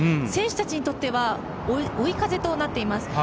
選手たちにとっては追い風となっています。